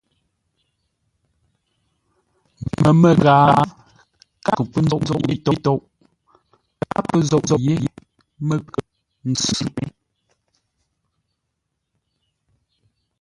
Məmə́ ghaa káa kə pə́ nzôʼ yé tôʼ, káa pə́ zôʼ yé məkəp-ntsʉ mé.